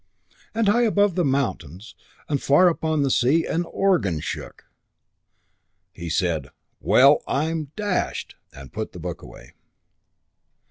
And high above the mountains and far upon the sea an organ shook. He said, "Well, I'm dashed!" and put the book away.